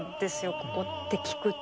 ここって聴くと。